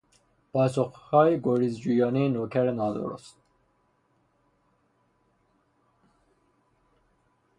پاسخهای گریز جویانهی نوکر نادرست